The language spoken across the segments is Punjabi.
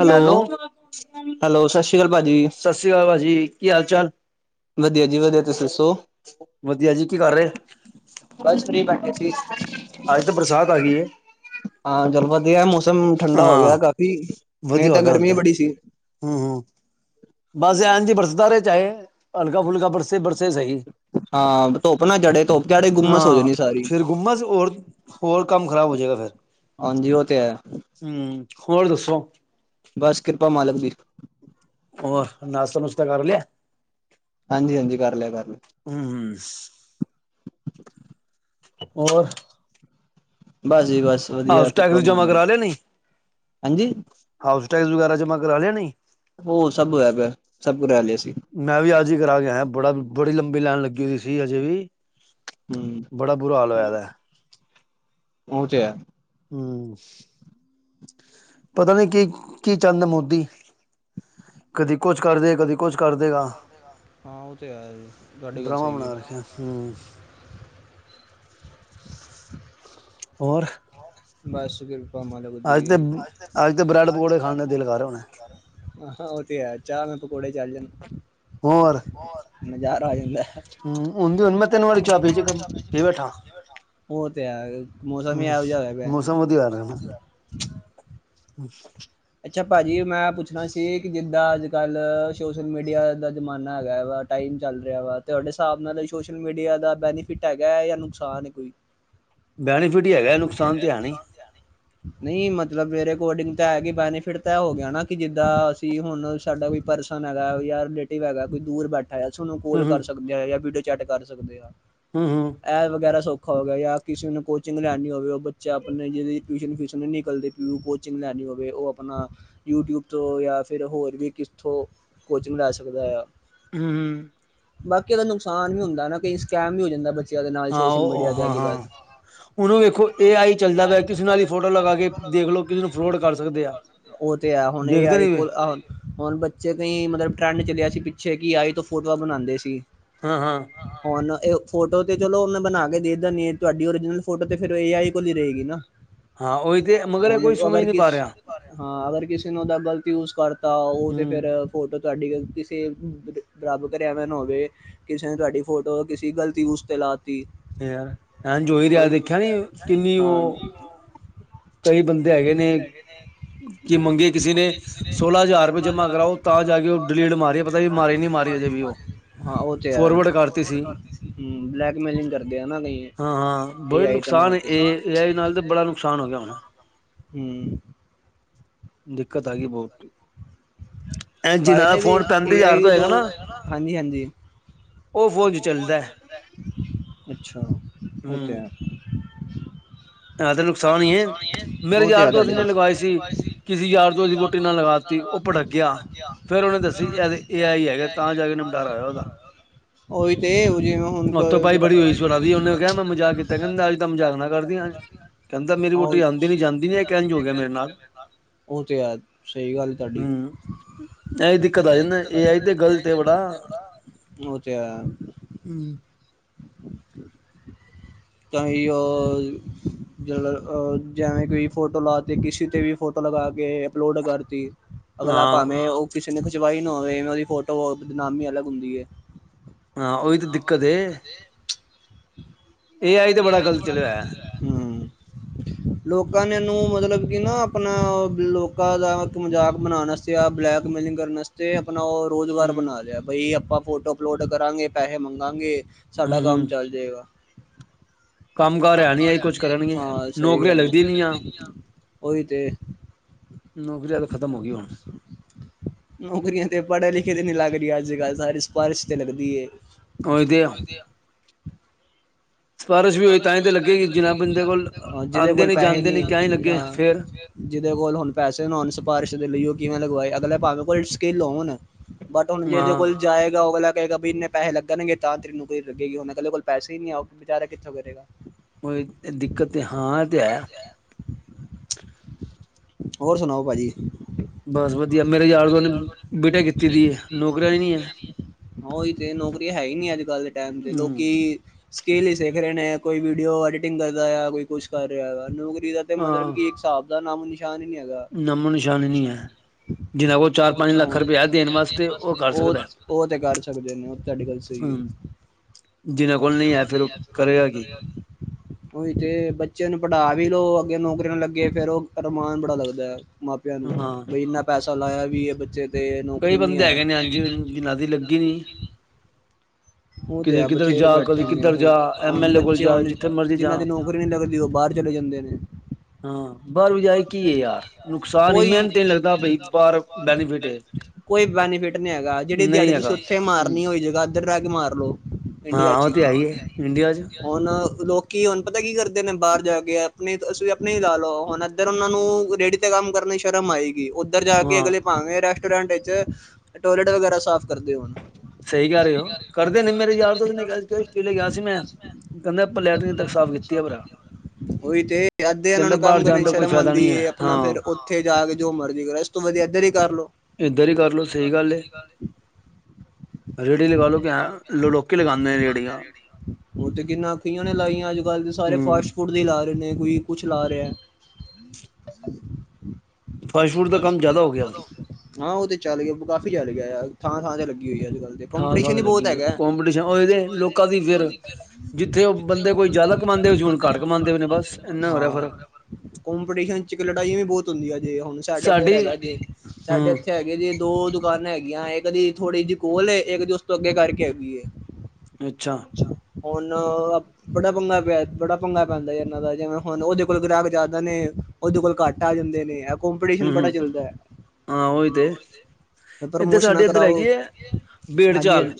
ਹੈਲੋ, ਹੈਲੋ ਸਤਿ ਸ਼੍ਰੀ ਅਕਾਲ ਭਾਜੀ। ਸਤਿ ਸ਼੍ਰੀ ਅਕਾਲ ਜੀ ਕੀ ਹਾਲ ਚਾਲ? ਵਧੀਆ ਜੀ ਵਧੀਆ ਤੁਸੀਂ ਦੱਸੋ? ਵਧੀਆ ਜੀ ਕੀ ਕਰ ਰਹੇ ਬਸ ਫਰੀ ਬੈਠੇ ਸੀ ਅੱਜ ਤਾਂ ਬਰਸਾਤ ਆ ਗਈ। ਹਾਂ, ਚੱਲ ਵਧੀਆ ਮੌਸਮ ਠੰਡਾ ਹੋ ਹਾਂ ਗਿਆ ਕਾਫ਼ੀ ਨਹੀਂ ਵਧੀਆ ਹੋ ਤਾਂ ਗਿਆ ਹੁਣ ਗਰਮੀ ਤੇ ਬੜੀ ਸੀ। ਹੂੰ ਹੂੰ, ਬਸ ਇੰਜ ਈ ਬਰਸਦਾ ਰਹੇ ਚਾਹੇ ਹਲਕਾ ਫੁਲਕਾ ਬਰਸੇ ਬਰਸੇ ਸਹੀ। ਹਾਂ ਧੁੱਪ ਨਾ ਚੜੇ ਧੁੱਪ ਚੜੇ ਗੁੰਮਸ ਹੋ ਹਾਂ ਜਾਣੀ ਸਾਰੀ ਫਿਰ ਗੁਮਸ। ਹੋਰ ਕੰਮ ਖ਼ਰਾਬ ਹੋਏਗਾ ਫੇਰ। ਹਾਂਜੀ, ਓ ਤੇ ਹੈ। ਹੂੰ, ਹੋਰ ਦੱਸੋ? ਬਸ ਕਿਰਪਾ ਮਾਲਕ ਦੀ। ਹੋਰ ਨਾਸਤਾ ਨੁਸਤਾ ਕਰ ਲਿਆ। ਹਾਂਜੀ ਹਾਂਜੀ, ਕਰ ਲਿਆ ਕਰ ਲਿਆ। ਹੂੰ ਹੂੰ, ਹੋਰ ਬਸ ਜੀ, ਬਸ ਵਧੀਆ ਹਾਊਸ ਟੈਕਸ ਕਿਰਪਾ ਜਮਾ ਮਾਲਿਕ ਕਰਾ ਲਿਆ ਨਹੀਂ ਹਾਂਜੀ। ਹਾਊਸ ਟੈਕਸ ਵਗੈਰਾ ਜਮ੍ਹਾਂ ਕਰਾ ਲਿਆ ਨੀ। ਉਹ ਸਭ ਹੋਇਆ ਪਿਆ ਸਭ ਕਰ ਲਿਆ ਸੀ। ਮੈਂ ਵੀ ਅੱਜ ਹੀ ਕਰਾ ਕੇ ਆਇਆ ਬੜਾ ਬੜੀ ਲੰਬੀ ਲਾਈਨ ਲੱਗੀ ਹੋਈ ਸੀ ਅਜੇ ਵੀ। ਬੜਾ ਬੁਰਾ ਹਾਲ ਹੋਇਆ ਇਹਦਾ ਓ ਤੇ ਹੈ। ਹੂੰ, ਪਤਾ ਨੀ ਕੀ ਕੀ ਚਾਂਦਾ ਮੋਦੀ। ਕਦੀ ਕੁਛ ਕਰਦੇ ਕਦੀ ਕੁਛ ਕਰਦੇਗਾ। ਹਾਂ, ਉਹ ਤਾਂ ਹੈ, ਤੁਹਾਡੀ ਗੱਲ ਸਹੀ ਐ। ਹਾਂ, ਹੋਰ, ਬਸ ਕਿਰਪਾ ਮਲਿਕ ਅੱਜ ਤੇ ਦੀ [unintelligible] ਅੱਜ ਤੇ ਬ੍ਰੈਡ ਪਕੌੜੇ ਖਾਣ ਦਾ ਦਿਲ ਕਰ ਹੁਣ ਹਾਂ, ਉਹ ਤੇ ਹੈ ਚਾਹ ਨਾਲ ਪਕੌੜੇ ਚੱਲ ਜਾਣ। ਨਜ਼ਾਰਾ ਆ ਜਾਂਦਾ। ਹੂੰ, ਓਦੋ ਦੀ ਹੁਣ ਮੈਂ ਤਿੰਨ ਵਾਰੀ ਚਾਹ [unintelligible] ਬੈਠਾ ਉਹ ਤੇ ਹੈ ਮੌਸਮ ਹੀ ਹੂੰ, ਇਹੋ ਜਿਹਾ ਹੋਇਆ ਪਿਆ। ਮੌਸਮ ਵਧੀਆ ਹੋਇਆ ਲਗਦਾ। [unintelligible] ਅੱਛਾ ਭਾਜੀ ਮੈਂ ਪੁੱਛਣਾ ਸੀ ਕਿ ਜਿੱਦਾਂ ਅੱਜ ਕੱਲ੍ਹ ਸੋਸ਼ਲ ਮੀਡੀਆ ਦਾ ਜ਼ਮਾਨਾ ਹੈਗਾ ਵਾ। ਟਾਈਮ ਚੱਲ ਰਿਹਾ ਵਾ ਤੁਹਾਡੇ ਹਿਸਾਬ ਨਾਲ ਸੋਸ਼ਲ ਮੀਡੀਆ ਦਾ ਬੈਨੀਫਿਟ ਹੈਗਾ ਜਾਂ ਨੁਕਸਾਨ ਐ ਕੋਈ। ਬੈਨੀਫਿਟ ਹੀ ਹੈਗਾ ਨੁਕਸਾਨ ਤਾਂ ਹੈ ਨੀ। ਨਹੀਂ, ਮਤਲਬ ਮੇਰੇ ਅਕੋਡਿੰਗ ਤਾਂ ਐ ਕੀ ਬੈਨੀਫਿਟ ਤਾਂ ਇਹ ਹੋ ਗਿਆ ਨਾ ਕਿ ਜਿੱਦਾਂ ਅਸੀਂ ਹੁਣ ਸਾਡਾ ਕੋਈ ਪਰਸਨ ਹੈਗਾ ਜਾਂ ਰਿਲੇਟਿਵ ਹੈਗਾ ਕੋਈ ਦੂਰ ਬੈਠੇ। [unintelligible] ਹਮ ਕੋਲ ਹਮ ਕਰ ਸਕਦੇ ਆ ਜਾਂ ਵੀਡੀਓ ਚੈਟ ਕਰ ਸਕਦੇ ਆ। ਹੂੰ, ਹੂੰ ਇਹ ਵਗੈਰਾ ਸੌਖਾ ਹੋ ਗਿਆ ਜਾਂ ਕਿਸੇ ਨੂੰ ਕੋਚਿੰਗ ਲੈਣੀ ਹੋਵੇ ਉਹ ਬੱਚੇ ਆਪਣੇ ਜਿਹਦੀ ਟਿਊਸ਼ਨ ਫੀਸ ਨਿਕਲਦੀ। ਕੋਚਿੰਗ ਲੈਣੀ ਹੋਵੇ ਉਹ ਆਪ ਣਾ ਯੂਟਿਊਬ ਤੋਂ ਜਾਂ ਫਿਰ ਹੋਰ ਵੀ ਕਿਥੋਂ ਕੋਚਿੰਗ ਲੈ ਸਕਦਾ ਆ। ਹੂੰ, ਹੂੰ ਬਾਕੀ ਇਹਦਾ ਨੁਕਸਾਨ ਵੀ ਹੁੰਦਾ ਨਾ ਕਈ ਸਕੈਮ ਵੀ ਹੋ ਜਾਂਦਾ ਬ, ਹਾਂ, ਓ ਹਾਂ ਹਾਂ, ਹੁਣ ਵੇਖੋ ਏ ਆਈ ਚੱਲਦਾ ਪਿਆ ਕਿਸੇ ਨਾਲ ਹੀ। ਫੋਟੋ ਲਗਾ ਕੇ ਦੇਖਲੋ ਕਿਸਨੂੰ ਫਰੋਡ ਕਰ ਸਕਦੇ ਆ। ਉਹ ਤੇ ਹੈ ਹੁਣ ਏ ਦੇਖਦੇ ਆਈ ਨੀ ਵੇ ਕੋਲ। ਹੁਣ ਬੱਚੇ ਕਈ ਮਤਲਬ ਟਰੈਂਡ ਚਲਿਆ ਸੀ ਪਿੱਛੇ ਕਿ ਆਈ ਤੋਂ ਫੋਟੋਆਂ ਬਣਾਉਂਦੇ ਸੀ ਹਾਂ ਹਾਂ, ਹੁਣ ਇਹ ਫੋਟੋ ਤੇ ਚਲੋ ਮੈਂ ਬਣਾ ਕੇ ਦੇ ਦੇਣੀ ਆ ਤੁਹਾਡੀ ਓਰਜਨਲ ਫੋਟੋ ਤੇ ਫਿਰ ਏ ਆਈ ਕੋਲ ਹੀ ਰਹੇਗੀ ਨਾ। ਹਾਂ, ਉਹੀ ਤੇ ਮਗਰ ਇਹ ਹੁਣ ਕੋਈ ਸਮਝ ਅਗਰ ਨਹੀਂ ਪਾ ਕਿਸ ਰਿਹਾ। ਹਾਂ, ਅਗਰ ਕਿਸੇ ਨੇ ਉਹਦਾ ਗ਼ਲਤ ਯੂਜ ਕਰਤਾ ਉਹ ਤੇ ਫੇਰ ਹਮ ਫੋਟੋ ਤੁਹਾਡੀ ਗਲਤੀ ਸੀ ਰੱਬ ਕਰਕੇ ਐਵੇਂ ਨਾ ਹੋਵੇ। ਕਿਸੇ ਨੇ ਤੁਹਾਡੀ ਫੋਟੋ ਕਿਸੇ ਗਲਤ ਯੂਜ ਤੇ ਲਾ ਤੀ। ਯਾਰ ਐ ਜੋਈ ਰਿਹਾ ਦੇਖਿਆ, ਨੀ ਕਿੰਨੀ ਹਾਂ ਉਹ ਕਈ ਬੰਦੇ ਹੈਗੇ ਨੇ, ਕਿ ਮੰਗੀ ਕਿਸੇ ਨੇ ਸੋਲਾਂ ਹਜ਼ਾਰ ਰੁਪਏ ਜਮਾ ਕਰਾਓ, ਤਾਂ ਜਾ ਕੇ ਉਹ ਡਿਲੀਟ ਮਾਰੀ ਹੈ, ਪਤਾ ਵੀ ਮਾਰੀ ਨੀ ਮਾਰੀ ਅਜੇ ਵੀ ਉਹ ਹਾਂ ਉਹ ਤੇ ਹੈ, ਫੋਰਵਰਡ ਕਰਤੀ ਸੀ ਬਲੈਕਮੇਲਿੰਗ ਕਰਦੇ ਆ ਨਾ ਕਈ। ਹਾਂ ਹਾਂ, ਏ ਬੜੇ ਆਈ ਦੇ ਨਾਂ ਨੁਕਸਾਨ ਤੇ ਏ ਆਈ ਨਾਲ ਤਾਂ ਬੜਾ ਨੁਕਸਾਨ ਹੋ ਗਿਆ ਹੋਣਾ। ਹੂੰ, ਦਿੱਕਤ ਆ ਗਈ ਬਹੁਤ। ਐ ਜਿਨਾਂ ਦਾ ਫਾਇਦੇ ਵੀ ਫੋਨ ਪੈਂਤੀ ਏ ਹਜ਼ਾਰ ਤੋਂ ਆਈ ਦੋ ਹੈਗਾ ਨਾ ਹਾਂਜੀ ਹਾਂਜੀ। ਉਹ ਫੋਨ ਚੱਲਦਾ ਅੱਛਾ ਉਹ ਤੇ ਹੈ। ਹੈ ਤੇ ਨੁਕਸਾਨ ਹੀ ਹੈ ਮੇਰੇ ਉਹ ਤੇ ਯਾਰ ਹੈ ਦੋਸਤ ਤੁਹਾਡੇ ਨੇ ਕੋਲ ਲਗਏ ਸੀ ਕਿਸੇ ਯਾਰ ਦੋਸਤ ਦੀ ਵਹੁਟੀ ਨਾਲ ਲਗਾ ਉਹ ਭੜਕਿਆ ਫੇਰ ਉਹਨੇ ਦੱਸੀ ਇਹਦੇ ਏ ਆਈ ਹੈਗਾ ਤਾਂ ਜਾ ਕੇ ਨਿਮਟਾਰਾ ਹੋਇਆ ਉਹਦਾ। ਉਹੀ ਤੇ ਜਿਵੇਂ ਹੁਣ ਹੱਥੋਂ ਪਾਈ ਬੜੀ ਹੋਈ ਸੀ ਉਹਨਾਂ ਦੀ ਓਨੇ ਕਿਹਾ ਮੈਂ ਮਜ਼ਾਕ ਕੀਤਾ ਕਹਿੰਦਾ ਮ ਜਾਗਣਾ ਕਰਦੀਆਂ ਅੱਜ, ਕਹਿੰਦਾ ਮੇਰੀ ਵੋਟੀ ਹਾਂ ਆਦੀ ਨੀ ਜਾਂਦੀ ਨੀ ਇਹ ਕਹਿਣ ਹੋ ਗਿਆ, ਮੇਰੇ ਨਾਲ ਉਹ ਤੇ ਹੈ ਸਹੀ ਗੱਲ ਤੁਹਾਡੀ ਹੂੰ ਐ ਦਿੱਕਤ ਆ ਜਾਂਦਾ, ਐ ਆਈ ਤੇ ਗ਼ਲਤ ਹੈ ਬੜਾ। ਉਹ ਤੇ, ਹੂੰ, ਤਾਂ [unintelligible] ਜੇ ਜਿਵੇਂ ਕੋਈ ਫੋਟੋ ਲਗਾ, ਤੀ ਕਿਸੇ ਤੇ ਵੀ ਫੋਟੋ ਲਗਾ ਕੇ ਅਪਲੋਡ ਕਰਤੀ। ਅਗਲਾ ਹਾਂ। ਭਾਵੇਂ ਉਹ ਕਿਸੇ ਨੇ ਖਿਚਵਾਈ ਨਾ ਹੋਵੇ, ਉਹਦੀ ਫੋਟੋ ਬਦਨਾਮੀ ਹੀ ਅਲਗ ਹੁੰਦੀ ਹੈ। ਹਾਂ ਉਈ ਤਾਂ ਦਿੱਕ ਦੇ, ਏ ਆਈ ਤੇ ਬੜਾ ਗਲਤ ਚਲਿਆ ਹੋਇਆ। ਹੂੰ, ਲੋਕਾਂ ਨੇ ਇਹਨੂੰ ਮਤਲਬ ਕਿ, ਨਾ ਆਪਣਾ ਲੋਕਾਂ ਦਾ ਇੱਕ ਮਜ਼ਾਕ ਬਣਾਣ ਆਪ ਬਲੈਕ ਮੇਲਿੰਗ ਕਰਨਾ ਵਾਸਤੇ ਆਪਣਾ ਉਹ ਰੁਜ਼ਗਾਰ ਹੂੰ ਬਣਾ ਲਿਆ, ਬਈ ਆਪਾਂ ਫੋਟੋ ਅਪਲੋਡ ਕਰਾਂਗੇ ਪੈਸੇ ਮੰਗਾਂਗੇ। ਹੂੰ। ਸਾਡਾ ਕੰਮ ਹੂੰ ਚੱਲ ਜਾਏਗਾ। ਕੰਮ ਕਾਰ ਹੈ ਨੀ, ਆਸੀਂ ਕੁਛ ਕਰਨਗੇ ਹਾਂ ਸਹੀ ਨੌਕਰੀਆਂ ਗੱਲ ਲੱਗਦੀ ਨੀ ਆ। ਹੈ। ਉਹੀ ਤੇ ਨੌਕਰੀ ਤਾਂ ਖਤਮ ਹੋ ਗਈ ਹੁਣ ਨੌਕਰੀਆਂ ਤੇ ਪੜ੍ਹੇ ਲਿਖੇ, ਤੇ ਨੀ ਲੱਗ ਰਹੀ ਅੱਜ-ਕੱਲ ਸ ਸਿਫਾਰਸ਼ ਤੇ ਲੱਗਦੀ ਐ। ਹੋਈ ਦੇ, ਵਧੀਆ, ਸਿਫਾਰਸ਼ ਹੋਈ ਸਾਰਸ਼ ਵੀ ਤੇ ਹੋਏ ਤਾਂ ਹੀ ਜਿਨਾ ਲੱਗੇਗੀ, ਜੀ ਬੰਦੇ ਕੋਲ ਬੰਦਾ ਜਿਹਦੇ ਆਂਦੇ ਕੋਲ ਪੈਸੇ ਜਾਂਦੇ ਨੀ ਕਿਆ ਹੀ ਲੱਗੇ ਆਦੇ, ਫੇਰ ਜਿਹਦੇ ਕੋਲ ਹੁਣ ਪੈਸੇ ਨਾਲ ਸਿਫਾਰਿਸ਼ ਦੇ ਲਈ ਉਹ ਕਿਵੇਂ, ਲਗਵਾਏ ਅਗਲੇ ਪਾਵੇ ਕੋਲ ਸਕਿੱਲੋ ਹੋਣ ਬਟ ਹੁਣ ਜੇ ਇਹਦੇ ਹਾਂ ਕੋਲ ਜਾਏਗਾ ਉਹ ਵਾਲਾ ਕਹੇਗਾ, ਵੀ ਇੰਨੇ ਪੈਸੇ ਲੱਣਗੇ ਤਾਂ ਤੇਰੀ ਨੌਕਰੀ ਲੱਗੇਗੀ, ਹੁਣ ਕਦੇ ਕੋਲ ਪੈਸੇ ਨਹੀਂ ਆ ਉਹ ਵਿਚਾਰੇ ਕਿੱਥੋਂ ਕਰੇਗਾ। ਕੋ ਦਿੱਕਤ ਤਾਂ ਹਾਂ ਤਾਂ ਹੈ। ਹੋਰ ਸੁਣਾਓ ਭਾਜੀ? ਬਸ ਵਧੀਆ ਮੇਰੇ ਯਾਦ ਉਹਨੇ ਬੇਟੇ ਕੀਤੀ ਦੀ ਨੌਕਰੀਆ ਨੀ ਹੈ। ਉਹੀ ਤੇ ਨੌਕਰੀ ਹੈ, ਹੀ ਨੀ ਅੱਜ-ਕੱਲ ਦੇ ਟਾਈਮ ਤੇ ਹਮ ਲੋਕੀ। ਸਕਿੱਲ ਹੀ ਸਿੱਖ ਰਹੇ ਨੇ, ਆ ਕੋਈ ਵੀਡੀਓ ਐਡੀਟਿੰਗ ਕਰਦਾ ਆ ਕੋਈ ਕੁਛ ਕਰ ਰਿਹਾ ਵਾ ਨੌਕਰੀ ਦਾ। ਤੇ ਮਤਲਬ ਹਾਂ ਕਿ ਇੱਕ ਹਿਸਾਬ ਦਾ ਨਾਮ ਨਿਸ਼ਾਨ ਹੀ ਐ। ਨਾਮੋ ਨਿਸ਼ਾਨ ਨਹੀਂ ਹੈ। ਜਿਨਾਂ ਕੋਲ ਚਾਰ ਪੰਜ ਰੁਪਇਆ ਲੱਖ ਰੁਪ ਦੇਣ ਵਾਸਤੇ ਕਰ ਉਹ ਸਕਦਾ ਉਹ ਤੇ ਕਰ ਸਕਦੇ ਨੇ, ਤੁਹਾਡੀ ਗੱਲ ਸਹੀ ਐ। ਜਿਨਾਂ ਕੋਲ ਨਹੀਂ ਹੈ ਫਿਰ ਕਰੇਗਾ ਕਰਿਆ। [unintelligible] ਉਹੀ ਤੇ ਬੱਚਿਆਂ ਨੂੰ ਪੜ੍ਹਾ ਵੀ ਲੋਓ, ਅੱਗੇ ਨੌਕਰੀ ਨਾਲ ਲੱਗੇ ਫੇਰ ਉਹ ਅਮਾਨ ਬੜਾ ਲੱਗਦਾ। ਮਾਪਿਆਂ ਨੂੰ ਹਾਂ ਬਈ ਇੰਨਾ ਪੈਸਾ ਲਾਇਆ, ਵੀ ਇਹ ਬੱਚੇ ਤੇ ਨੌਕਰੀ ਨੀ ਹੈ। ਨਦੀ ਲੱਗੀ ਨੀ, ਉਹ ਤੇ ਕਿਤੇ ਹੈ ਕਿੱਧਰ ਬਥੇਰੇ ਜਾ ਬੈਠੇ ਕਦੇ ਨੇ ਕਿੱਧਰ, ਹੁਣ ਜਾ ਐਮ ਐਲ ਏ ਕੋਲ ਜਾ ਜਿੱਥੇ ਮਰਜ਼ੀ ਜਾ, ਰੀ ਨੀ ਲੱਗਦੀ ਉਹ ਬਾਹਰ ਚਲੇ ਜਾਂਦੇ ਨੇ, ਹਾਂ ਬਾਹਰ ਵੀ ਜਾਏ ਕੀ ਹੈ ਯਾਰ [unintelligible] ਨੁਕਸਾਨ ਹੀ ਮਿਹਨਤ ਨਹੀਂ ਲੱਗਦਾ ਬਈ ਬਾਹਰ ਬੈਨੀਫਿਟ ਹੈ ਕੋਈ ਬੈਨੀਫਿਟ ਨਹੀਂ ਹੈਗਾ, ਜਿਹੜੀ ਦਿਹਾੜੀ ਨਹੀਂ ਤੁਸੀਂ ਹੈਗਾ ਉੱਥੇ ਹਮ ਮਾਰਨੀ ਹੋਈ ਜਗ੍ਹਾ ਇੱਧਰ ਜਾ ਕੇ ਮਾਰ ਲੋੋ। ਇੰਡੀਆ ਚ ਉਹ ਹੀ ਤੇ ਹਾਂ ਹੈ ਆ। ਹੈ ਇੰਡੀਆ ਚ ਹੁਣ ਲੋਕੀ ਹੁਣ ਪਤਾ ਕੀ ਕਰਦੇ ਨੇ, ਬਾਹਰ ਜਾ ਕੇ ਆਪਣੇ ਤੁਸੀਂ ਆਪਣੇ ਹੀ ਲਾ ਲਓ ਹੁਣ ਇੱਧਰ ਉਹਨਾਂ ਨੂੰ ਰੇਡੀ ਕੰਮ ਕਰਨੀ ਸ਼ਰਮ ਆਏਗੀ। ਉੱਧਰ ਜਾ ਕੇ ਹਾਂ ਅਗਲੇ ਪਾਵੇਂ ਰੈਸਟੋਰੈਂਟ ਵਿੱਚ ਟੋਇਲਟ ਵਗੈਰਾ ਸਾਫ਼ ਕਰਦੇ ਹੋਣ ਸਹੀ ਕਹਿ ਰਹੇ ਹੋ ਕਰਦੇ ਨੇ ਮੇਰੇ ਯਾਰ ਦੋਸਤ ਨੇ ਕਿਹਾ [unintelligible] ਪਲੇ ਗਿਆ ਸੀ ਮੈਂ ਕਹਿੰਦੇ ਅਪਾ ਲਤ੍ਰਿਨ ਤੱਕ ਸਾਫ਼ ਕੀਤੀ ਹੈ ਭਰਾ ਉਹੀ ਤੇ ਇਧੇ ਇਹਨਾਂ ਕਹਿੰਦਾ ਨੂੰ ਕੰਮ ਬਾਹਰ ਜਾਣ ਕਰਨ ਦਾ ਕੋਈ ਸ਼ਰਮ ਫਾਇਦਾ ਆਉਂਦੀ ਨਹੀਂ ਹੈ ਏ ਆਪਣਾ ਫੇਰ ਹਾਂ ਉੱਥੇ ਜਾ ਕੇ ਜੋ ਮਰਜ਼ੀ ਕਰੈ ਓਹ ਇੱਧਰ ਹੀ ਕਰ ਲਓ ਇੱਧਰ ਹੀ ਕਰ ਲਓ ਸਹੀ ਗੱਲ ਏ ਰੇੜੀ ਲਗਾ ਲੋ‌ ਕਿਹਾ ਲੋਕੀ ਲੈਂਦੇ ਅ ਰੇੜੀਅ ਉਥੇ ਕਿੰਨਾ ਅਆਂ ਨੇ ਲਾਈਆਂ ਅੱਜ ਕੱਲ ਤੇ ਸਾਰੇ ਹੂੰ ਫਾਸਟ ਫੂ ਲਾ ਰਹੇ ਨੇ ਕੋਈ ਕੁਛ ਲਾ ਰਿਹਾ ਫਰਾਈ ਫੂਡ ਦਾ ਕੰਮ ਜ਼ਿਆਦਾ ਹੋ ਗਿਆੁਣ ਹਾਂ ਉਹ ਤੇ ਚੱਲ ਗਿਆ ਕਾਫੀ ਚੱਲ ਗਿਆ ਥਾਂ ਥਾਂ ਤੇ ਲੱਗੀ ਹੋਈ ਆ ਅੱਜ ਕੱਲ੍ਹ ਤੇ ਕੰਪੀਟੀਸ਼ਨ ਵੀ ਬਹੁਤ ਹੈਗਾ ਕੰਪੀਟੀਸ਼ਨ ਹੋਏ ਲੋਕਾਂ ਦੀ ਫਿਰ ਜਿੱਥੇ ਉਹ ਬੰਦੇ ਕੋਈ ਜ਼ਿਆਦਾ ਕਮਾਂਦੇ ਹੁਣ ਘੱਟ ਕਮਾਉਂਦੇ ਹੋ ਬਸ ਐਨਾ ਹੋਰ ਹੈ ਫਰਕ ਕੋਂਪੀਟੀਸ਼ਨ ਚ ਲੜਾਈਆਂ ਵੀ ਬਹੁਤ ਹੁੰਦੀਆਂ ਜੇ ਹੁਣ ਸਾਡੇ ਇੱਧਰ ਸਾਡੀ ਹੈਗਾ ਜੇ ਸਾਡੇ ਹੂੰ ਇੱਥੇ ਹੈ ਤੇ ਦੋ ਦੁਕਾਨਾਂ ਹੈਗੀਆਂ ਇੱਕਦੀ ਥੋੜੀ ਜਿਹੀ ਕੋਲ ਇੱਕ ਦੀ ਉਸ ਤੋਂ ਅੱਗੇ ਕਰਕੇ ਹੈਗੀ ਏ ਅੱਛਾ ਹੁਣ ਬੜਾ ਪੰਗਾ ਪਿਆ ਬੜਾ ਪੰਗਾ ਪੈਂਦਾ ਹੈ ਇਹਨਾਂ ਦਾ ਜਿਵੇਂ ਹੁਣ ਉਹਦੇ ਕੋਲ ਗ੍ਰਾਹਕ ਜ਼ਿਆਦਾ ਨੇ ਓਦੇ ਕੋਲ ਘੱਟ ਆ ਜਾਂਦੇ ਨੇਇਹ ਕੰਪਿਟੀਸ਼ਨ ਬੜਾ ਹੂੰ ਚਲਦਾ ਏ ਹਾਂ ਉਹੀ ਤੇ ਏਦਰ ਇੱਧਰ ਪ੍ਰਮੋਸ਼ਨਾਂ ਸਾਡੇ ਇੱਧਰ ਕਰਾਓ ਹੈਗੀ ਹੈ ਬੇੜ ਹਾਂਜੀ ਚਾਲ ਹਾਂਜੀ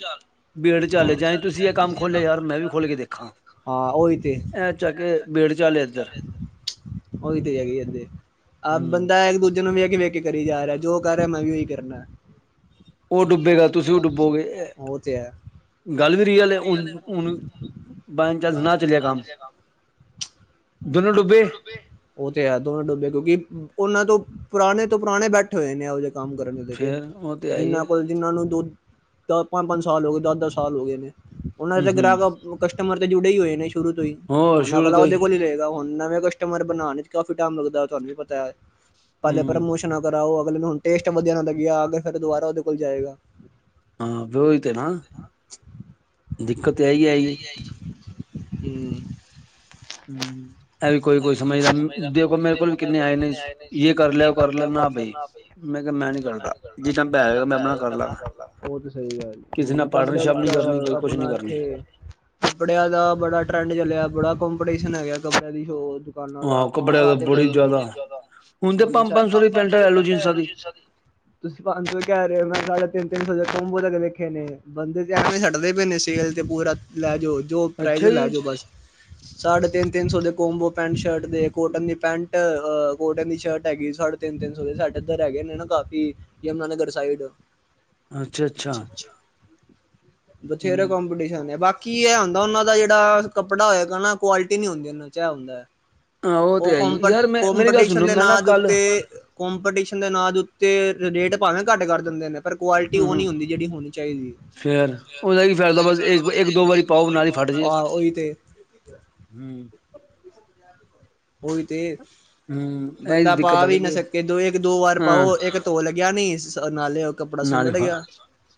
ਬੇੜ ਚਾਲ ਹੈ ਜਾਂ ਚਾਲਜਾਏ ਤੁਸੀਂ ਇਹ ਕੰਮ ਯਾਰ ਵੀ ਖੋਲਿਆ ਮੈਂ ਵੀੋ ਖੋਲ ਲੀਆਦੇਖੋ ਹਾਂ ਉਹੀ ਤੇ ਗੇ ਬੇੜ ਚਾਲੇ ਏ ਇੱਧਰ ਉਹੀ ਤੇ ਹੈਗੀ ਏ ਇਥੇ ਏ ਹਮ ਬੰਦਾ ਇੱਕ ਦੂਜੇ ਨੂੰ ਵੀ ਕੇ ਵੇਖ ਕੇ ਕਰੀ ਜਾ ਰਿਹਾ ਜੋ ਕਰ ਰਿਹਾ ਮੈਂ ਵੀ ਓਹੀ ਕਰਨਆ ਉਹ ਡੁੱਬੇਗਾੱਲ ਤੁਸੀਂ ਉਹ ਡੁੱਬੋਗੇ ਇਹ ਇਹ ਤੇ ਹੈ ਗੱਲ ਵੀ ਰਹੀ ਅਲੇ ਹੁ ਹੁਣ ਬ ਚਾਂਸ ਨਾ ਚੱਲਿਆ ਕੰਮ ਦੋਨੋ ਡੁੱਬੇ ਉਹ ਤੇ ਹੈ ਦੋਨ ਡੁੱਬੇ ਕਿਉਂਕਿ ਉਹਨਾਂ ਤੋਂ ਪੁਰਾਣੇ ਤੋਂ ਪੁਰਾਣੇ ਬੈਠੇ ਹੋਏ ਨੇ ਇਹੋ ਜਿਹੇ ਕੰਮ ਕਰਨ ਦੇ ਫੇਰ ਉਹ ਤੇ ਹੈ ਹੀ ਜਿੰਨਾ ਹੈ ਕੋਲ ਜਿਨਾਂ ਨੂੰ ਦੋ ਦ ਪੰਜ ਪੰਜ ਸਾਲ ਹੋ ਗਏ ਦਸ ਦਸ ਸਾਲ ਹੋ ਗਏ ਨੇ ਉਹਨਾਂ ਹਮ ਦੇ ਹਮ ਗ੍ਰਾਹਕ ਕਸਟਮਰ ਤੇ ਜੁੜੇ ਹੀ ਹੋਏ ਨੇ ਸ਼ੁਰੂ ਤੋਂ ਹੀ ਹੋਰ ਹੁਣ ਸ਼ੁਰੂ ਅਗਲਾ ਤੋਂ ਉਹਦੇ ਕੋਲ ਹੀ ਰਹੇਗਾ ਹੁ ਨਵੇਂ ਕਸਟਮਰ ਬਣਾਉਣ ਚ ਕਾਫੀ ਟਾਈਮ ਲੱਗਦਾ ਤੁਹਾਨੂੰ ਵੀ ਪਤਾ ਹੈ ਪਹਿਲੇ ਪਹਿਲੇ ਹਮ ਮੁਸ਼ਕਿਲ ਨਾ ਕਰਾਓ ਅਗਲੇ ਹੁਣ ਟੇਸਟ ਵਧੀਆ ਨਾ ਲੱਗਿਆ ਅਗ ਫਿਰ ਦੁਾਰਾ ਉਹਦੇ ਕੋਲ ਜਾਏਗਾ ਹਾਂ ਵਿਓਹੀ ਤੇ ਨਾ ਦਿੱਕਤ ਏ ਹੀ ਆਈ ਏ ਹਮ [unintelligible] ਹਮ [unintelligible] ਇਹ ਵੀ ਕੋਈ ਕੋਈ ਸਮਝਦਾ ਦੇਖੋ ਮੇਰੇ ਕੋਲ ਵੀ ਕਿੰਨੇ ਆਏ ਨੇ ਯ ਕਰ ਲਿਆ ਉਹ ਕਰ ਲੈ ਨਾ ਬਾਈ ਮੈਂ ਕਿਹਾ ਮੈਂ ਨੀ ਕਰਦਾ ਜਿੱਦਨਾ ਪੈ ਹੋਗਾ ਮੈਂ ਆਪਣਾ ਕਰ ਲਾਂ ਉਹ ਤਾਂ ਸਹੀ ਗੱਲ ਕਿਸੇ ਹੁਣ ਨਾਲ ਕੱਪੜਿਆਂ ਦੀ ਪਾਰਟਨਸੀਪ ਨੀ ਕਰਨੀ ਕ- ਕੋਈ ਕੁਛ ਨੀ ਆਪਣਾ ਕਰਨੀ ਇੱਥੇ ਕੱਪੜਿਆਂ ਦਾ ਬੜਾ ਟਰੈਂਡ ਚੱਲਿਆ ਬੜਾ ਕੰਪੀਟੀਸ਼ਨ ਹੈ ਗਿਆ ਕੱਪੜਿਆਂ ਦੀ ਸ਼ੋ ਨਾਲ ਆਹੋ ਇਥੋਂ ਕੱਪੜਿਆਂ ਦਾ ਇਹ ਬੜੀ ਦੇਖ ਜ਼ਿਆਦਾ ਪੂਰੀ ਛੋਲੇ ਹੁਣ ਤਾਂ ਪੰਜ ਪੰਜ ਸੌ ਦੀ ਪੈਟਾ ਲੈਲੋ ਜੀਨਸਾਂ ਦੀ ਤੁਸੀਂ ਪੰਜ ਸੌ ਕਹਿ ਰਹੇ ਹੋ ਮੈਂ ਸਾਡੇ ਤਿੰਨ ਤਿੰਨ ਸੌ ਕਬੋ ਤ ਦੇੇਖੇ ਨੇ ਬੰਦੇ ਤੇ ਐਵੇਂ ਛੱਡਦੇ ਪਏ ਨੇ ਸੇਲ ਤੇ ਪੂਰਾ। ਲੈ ਜਾਓ ਜੋ ਪ੍ਰਾਈਜ਼ ਅੱਛਾ ਲੈ ਜੀ ਜਾਓ ਬਸ ਸਾਢੇ ਤਿੰਨ ਤਿੰਨ ਸੌ ਦੇ ਕੋਮਬੋ ਪੈਂਟ ਸ਼ਰਟ ਦੇ ਕੋਟਨ ਦੀ ਪੈਂਟਹ ਕੋਟਨ ਦੀ ਸ਼ਰਟ ਹੈਗੀ ਸਾਡੇ ਤਿੰਨ ਸੌ ਤਿੰਨ ਤਿੰਨ ਸੋ ਦੇ ਸਾਡੇ ਇੱਧਰ ਹਿਗੇ ਨੇ ਨਾ ਕਾਫੀ ਯਮੁਨਾਾਨਗਰ ਸਾਈਡ ਅੱਛਾ ਅੱਛਾ ਬਥੇਰਾ ਹੂੰ ਕਾਂਪਟੀਸ਼ਨ ਹੋਂਦਾ ਹੈ ਬਾਕੀ ਇਹ ਹੁੰਦਾ ਉਹ ਦਾ ਜਿਹੜਾ ਕੱਪੜਾ ਹੋਏਗਾ ਨਾ ਕੁਆਲਟੀ ਤਿਨ ਹੀ ਹੁੰਦੀ ਨ ਚਾ ਹੁੰਦਾ ਹਾਂ ਉਹ ਤੇ ਹੈ ਹੀ ਯਾਰ ਮੈਂ ਮੇਰੀ ਗੱਲ ਕਪਟੀਸ਼ਨ ਸੁਣੋ ਦੇ ਮੈਂ ਨਾ ਨਾਂ ਦੇ ਕੱਲ ਉੱਤੇ ਕੋਂਪੀਟੀਸ਼ਨ ਦੇ ਅ ਦੇ ਉੱਤੇ ਰੇਟ ਭਾਵੇਂ ਘੱਟ ਕਰ ਦਿੰਦੇ ਨੇ ਪਰ ਕੁਆਲਿਟੀ ਹੂੰ ਉਹ ਹੂੰ ਨੀ ਹੁੰਦੀ ਜਿਹੜੀ ਹੋਣੀ ਚਾਹੀਦੀ ਫੇਰ ਉਹਦਾ ਕੀ ਫਾਇਦਾ ਬਸ ਇੱਕ ਦੋ ਵਾਰੀ ਪਾਓ ਨਾਲ ਹੀ ਫਟ ਜੇ ਹਾਂ, ਉਹੀ ਤੇ। ਹੂੰ, ਉਹੀ ਤੇ ਹੂੰ ਇਹ ਬੰਦਾ ਪਾ ਦਿੱਕਤ ਆ ਵੀ ਨਾ ਜਾਂਦੀ ਹੈ ਸਕੇ ਦੋ ਇੱਕ ਦੋ ਵਾਰ ਹਾਂ ਪਾਓ ਇੱਕ ਧੋ ਲਗਿਆ ਨੀ ਨਾਲੇ ਕੱਪੜਾ ਨਾਲ ਸੁੰਗੜ ਹਾਂ, ਗਿਆ।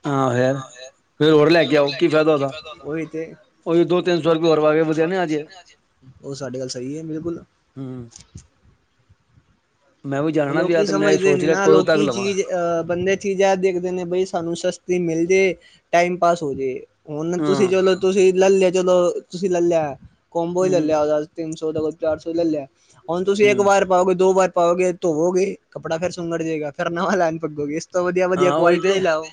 ਫਿਰ ਫਿਰ ਹੋਰ ਲੈ ਕੇ ਆਓ ਕੀ ਫਾਇਦਾ ਉਹਦਾ। ਉਹੀ ਤੇ ਉਹੀ ਦੋ ਤਿੰਨ ਸੌ ਰੁਪਏ ਹੋਰ ਪਾ ਕੇ ਵਧੀਆ ਨੀ ਆਜੇ ਉਹ ਸਾਡੇ ਗੱਲ ਸਹੀ ਐ ਬਿਲਕੁਲ। ਹੂੰ, ਮੈਂ ਵੀ ਜਾਣਾ ਉਹ ਨਾ ਵਿਆਹ ਲੋਕੀ ਤੇ ਮੈਂ ਸਮਝਦੇ ਸੋਚ ਨੀ ਰਿਹਾ ਨਾ ਕਦੋਂ ਤੱਕ ਲੋਕੀ ਲਵਾਂ ਚੀਜ਼ ਅਹ ਬੰਦੇ ਚੀਜ਼ ਐ ਦੇਖਦੇ ਨੇ ਬਈ ਸਾਨੂੰ ਸਸਤੀ ਮਿਲ ਜੇ ਟਾਈਮ ਪਾਸ ਹੋਜੇ। ਹੁਣ ਹਾਂ ਤੁਸੀਂ ਚਲੋ ਤੁਸੀਂ ਲੈ ਲਿਆ ਚਲੋ ਤੁਸੀਂ ਲੈ ਲਿਆ ਕੋਬੋ ਈ ਲੈ ਹੂੰ ਲਿਆ ਉਹਦਾ। ਤਿੰਨ ਸੌ ਦਾ ਕੋ ਚਾਰ ਸੌ ਲੈ ਲਿਆ ਹੁਣ ਤੁਸੀਂ ਇੱਕ ਹੂੰ ਵਾਰ ਪਾਓਗੇ ਦੋ ਵਾਰ ਪਾਓਗੇ। ਧੋਵੋਗੇ ਕੱਪੜਾ ਫਿਰ ਸੁੰਗੜ ਜੇਗਾ ਫਿਰ ਨਵਾਂ ਲੈਣ [unintelligible] ਤੋਂ ਵਧੀਆ-ਵਧੀਆ ਹਾਂ ਉਹੀ ਕਆਲਿਟੀ ਦਾ ਤੇ ਹੀ ਲਓ।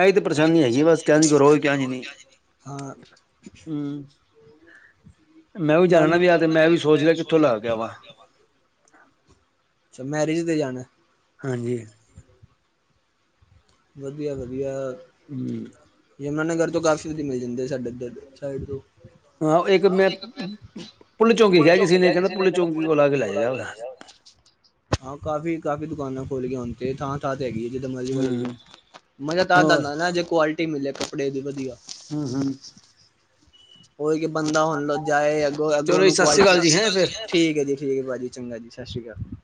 ਇਹੀ ਤੇ ਪਰੇਸ਼ਾਨੀ ਹੈਗੀ ਬਸ ਹਾਂ [unintelligible] ਹੂੰ, ਮੈਂ ਵੀ ਜਾਣਾ ਨਾਲ ਵਿਆਹ ਤੇ ਮੈਂ ਵੀ ਸੋਚ ਰਿਹਾ ਕਿੱਥੋਂ ਲੈ ਕੇ ਆਵਾ। ਅੱਛਾ, ਮੈਰਿਜ ਤੇ ਜਾਣਾ। ਹਾਂਜੀ। ਵਧੀਆ ਵਧੀਆ। ਹੂੰ, ਜਮਨਾ ਨਗਰ ਤੋਂ ਕਾਫੀ ਸੀ ਮਿਲ ਜਾਂਦੇ ਸਾਡੇ ਇੱਧਰ ਸਾਈਡ ਤੋਂ ਹਾਂ, ਇੱਕ ਮੈਂ ਪੁੱਲ ਚੌਂਕੀ ਕਿਹਾ ਕਿਸੇ ਨੇ ਕਹਿੰਦਾ ਪੁੱਲ ਚੌਂਕੀ ਕੋ ਆ ਕੇ ਲੈ ਜਾ। ਹਾਂ, ਕਾਫ਼ੀ-ਕਾਫ਼ੀ ਦੁਕਾਨਾਂ ਖੁੱਲ ਗਈ ਹੁਣ ਤੇ ਥਾਂ-ਥਾਂ ਤੇ ਹੈਗੀ ਐ ਜਿੱਦਾਂ ਮਰਜ਼ੀ ਬਦਲ ਲਓ। ਹਮ ਮੈ ਤਾਂ ਹੋਰ ਦੱਸਦਾ ਹੁਨਾ ਜੇ ਕੁਆਲਿਟੀ ਮਿਲੇ ਕੱਪੜੇ ਦੀ ਵਧੀਆ। ਹੂੰ ਹੂੰ, ਉਹੀ ਕੀ ਬੰਦਾ ਹੁਣ ਜਾਏ ਅੱਗੋਂ ਅੱਗੋਂ ਚਲੋ ਜੀ ਨੂੰ ਸਤਿ ਸ੍ਰੀ ਓਹਨੂੰ ਅਕਾਲ ਜੀ ਹੈਂ ਫਿਰ [unintelligible] ਠੀਕ ਆ ਜੀ ਠੀਕ ਆ, ਭਾਜੀ ਚੰਗਾ ਜੀ ਸਤਿ ਸ਼ੀ ਅਕਾਲ।